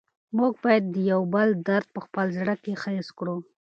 موږ باید د یو بل درد په خپل زړه کې حس کړو.